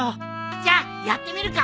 じゃあやってみるか。